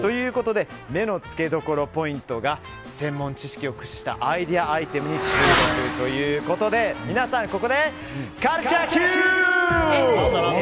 ということで目のつけどころポイントが専門知識を駆使したアイデアアイテムに注目ということで皆さんここで、カルチャーＱ！